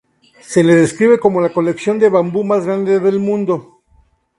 Se la describe como la colección de bambú más grande del mundo.